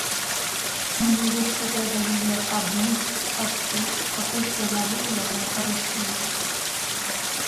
Мне яшчэ трэба яе абмыць, абшыць, пакуль з той навукі якая карысць выйдзе.